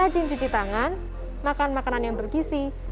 jangan makan makanan yang bergisi